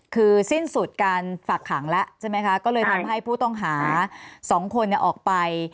คือสิ้นสุดการฝากขังแล้วใช่ไหมคะก็เลยทำให้ผู้ต้องหา๒คนออกไป